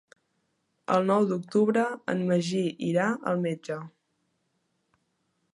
El nou d'octubre en Magí irà al metge.